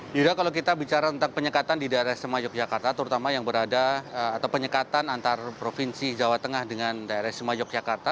yuda kalau kita bicara tentang penyekatan di daerah sema yogyakarta terutama yang berada atau penyekatan antar provinsi jawa tengah dengan daerah sema yogyakarta